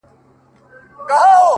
دردونه مي د ستوريو و کتار ته ور وړم!!